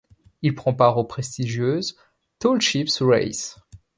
Il prend part aux prestigieuses Tall Ships' Races.